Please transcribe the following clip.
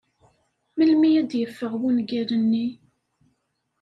Melmi ay d-yeffeɣ wungal-nni?